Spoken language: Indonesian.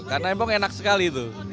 karena emang enak sekali itu